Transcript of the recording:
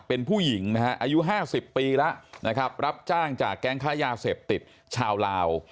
เป็นผู้หญิงนะฮะอายุ๕๐ปีแล้วนะครับรับจ้างจากแก๊งค้ายาเสพติดชาวลาว